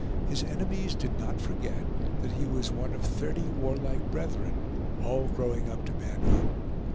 His enemies did not forget that he was one of thirty warlike brethren, all growing up to manhood.